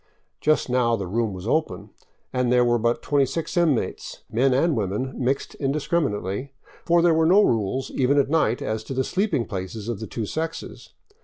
Just now the room was open, and there were but 26 inmates, men and women mixed indiscriminately, for there were no rules, even at night, as to the sleeping places of the two sexes.